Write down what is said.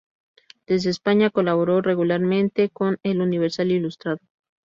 Desde España colaboró regularmente con "El Universal Ilustrado".